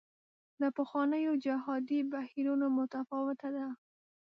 له پخوانیو جهادي بهیرونو متفاوته ده.